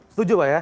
setuju pak ya